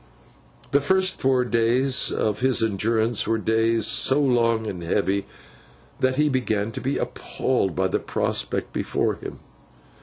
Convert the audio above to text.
The first four days of his endurance were days so long and heavy, that he began to be appalled by the prospect before him.